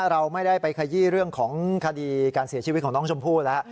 เราไม่ได้ไปขยี้เรื่องของคดีการเสียชีวิตของน้องชมพู่แล้ว